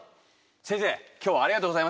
先生今日はありがとうございました。